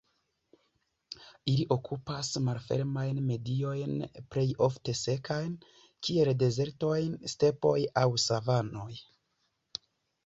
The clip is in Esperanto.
Ili okupas malfermajn mediojn plej ofte sekajn, kiel dezertoj, stepoj aŭ savanoj.